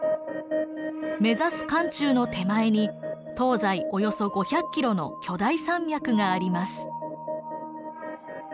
目指す漢中の手前に東西およそ５００キロの巨大山脈があります。